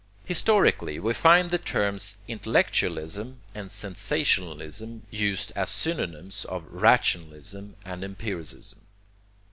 Historically we find the terms 'intellectualism' and 'sensationalism' used as synonyms of 'rationalism' and 'empiricism.'